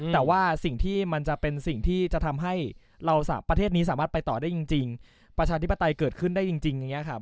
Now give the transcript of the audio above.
แต่ว่าสิ่งที่มันจะเป็นสิ่งที่จะทำให้เราสามประเทศนี้สามารถไปต่อได้จริงประชาธิปไตยเกิดขึ้นได้จริงอย่างนี้ครับ